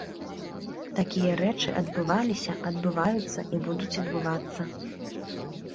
Такія рэчы адбываліся, адбываюцца і будуць адбывацца.